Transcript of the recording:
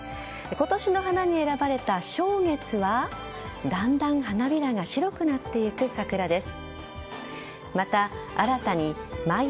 今年の花に選ばれた松月はだんだん花びらが白くなっていく桜です。